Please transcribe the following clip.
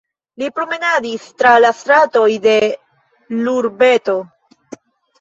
Li promenadis tra la stratoj de l'urbeto.